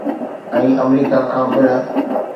۽ آمريڪا کان پڻ.